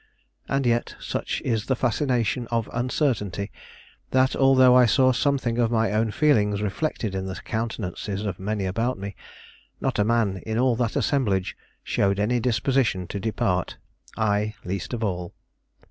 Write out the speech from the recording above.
And yet, such is the fascination of uncertainty that, although I saw something of my own feelings reflected in the countenances of many about me, not a man in all that assemblage showed any disposition to depart, I least of all.